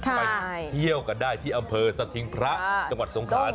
ไปเที่ยวกันได้ที่อำเภอสถิงพระจังหวัดสงคราน